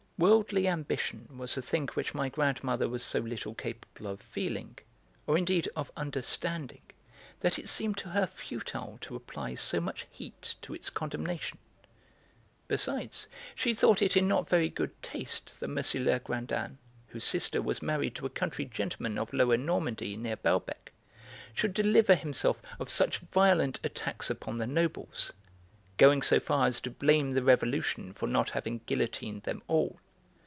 Worldly ambition was a thing which my grandmother was so little capable of feeling, or indeed of understanding, that it seemed to her futile to apply so much heat to its condemnation. Besides, she thought it in not very good taste that M. Legrandin, whose sister was married to a country gentleman of Lower Normandy near Balbec, should deliver himself of such violent attacks upon the nobles, going so far as to blame the Revolution for not having guillotined them all.